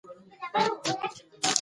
که وقفه وشي یاد پاتې کېږي.